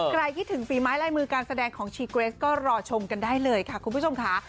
คิดถึงฝีไม้ลายมือการแสดงของชีเกรสก็รอชมกันได้เลยค่ะคุณผู้ชมค่ะ